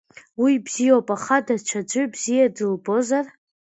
Уи бзиоуп, аха даҽаӡәы бзиа дылбозар?